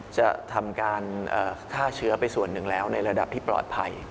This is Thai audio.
จะทำการฆ่าเชื้อไปส่วนหนึ่งแล้วในระดับที่ปลอดภัย